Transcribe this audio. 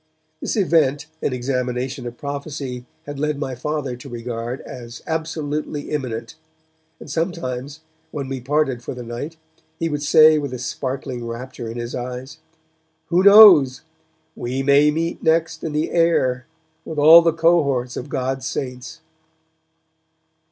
This event an examination of prophecy had led my Father to regard as absolutely imminent, and sometimes, when we parted for the night, he would say with a sparkling rapture in his eyes, 'Who knows? We may meet next in the air, with all the cohorts of God's saints!'